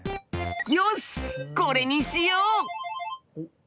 よしこれにしよう！